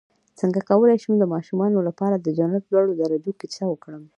څنګه کولی شم د ماشومانو لپاره د جنت لوړو درجو کیسه وکړم